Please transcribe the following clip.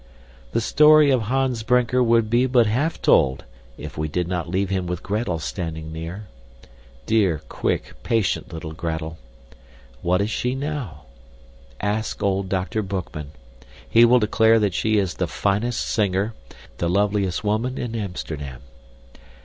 The story of Hans Brinker would be but half told if we did not leave him with Gretel standing near. Dear, quick, patient little Gretel! What is she now? Ask old Dr. Boekman, he will declare that she is the finest singer, the loveliest woman in Amsterdam.